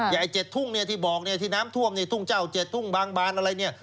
อย่าไอ้เจ็ดทุ่งที่บอกที่น้ำท่วมทุ่งเจ้าเจ็ดทุ่งบางบานอะไร